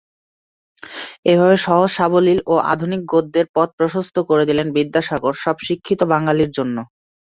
এভাবে সহজ সাবলীল ও আধুনিক বাংলা গদ্যের পথ প্রশস্ত করে দিলেন বিদ্যাসাগর সব শিক্ষিত বাঙালির জন্য।